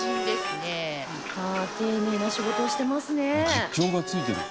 実況がついてる。